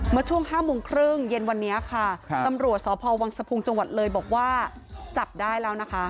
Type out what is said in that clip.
เมื่อช่วง๕โมงครึ่งเย็นวันนี้ค่ะตำรวจสพวังสะพุงจังหวัดเลยบอกว่าจับได้แล้วนะคะ